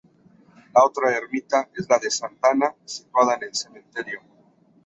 La otra ermita es la de Santa Ana, situada en el cementerio.